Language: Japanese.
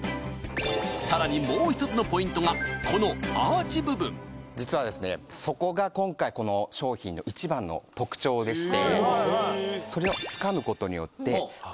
さらにもう一つのポイントがこのアーチ部分実はそこが今回この商品の一番の特徴でして。